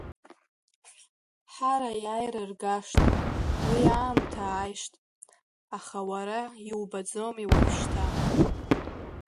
Ҳар аиааира ргашт, уи аамҭа ааишт, аха уара иубаӡомеи уажәшьҭа…